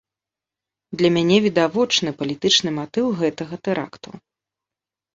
Для мяне відавочны палітычны матыў гэтага тэракту.